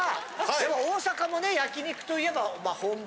でも大阪もね焼き肉と言えば本場。